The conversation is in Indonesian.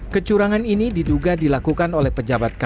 kecurangan ini diduga dilakukan oleh pejabat kpk